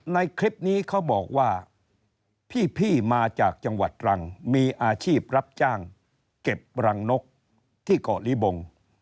ในคลิปนี้เขาบอกว่าพี่มาจากจังหวัดตรังมีอาชีพรับจ้างเก็บรังนกที่เกาะลิบง